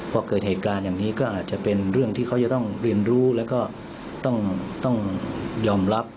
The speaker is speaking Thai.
พอเกิดเหตุการณ์อย่างนี้ก็อาจจะเป็นเรื่องที่เขาจะต้องเรียนรู้แล้วก็ต้องยอมรับ